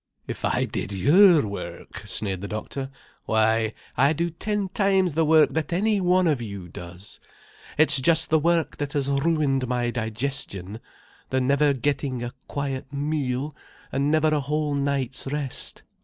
"If I did your work," sneered the doctor. "Why I do ten times the work that any one of you does. It's just the work that has ruined my digestion, the never getting a quiet meal, and never a whole night's rest.